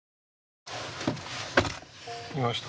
いました？